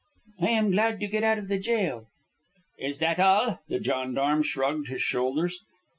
"I am glad to get out of the jail." "Is that all?" The gendarme shrugged his shoulders.